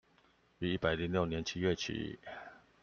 於一百零六年七月起